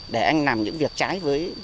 để anh làm những việc trái với